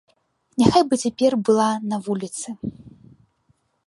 Няхай бы цяпер была на вуліцы.